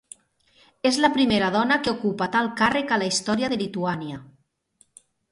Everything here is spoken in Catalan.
És la primera dona que ocupa tal càrrec a la història de Lituània.